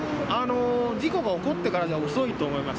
事故が起こってからじゃ遅いと思います。